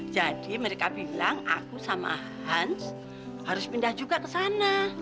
jadi mereka bilang aku sama hans harus pindah juga ke sana